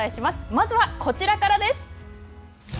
まずは、こちらからです。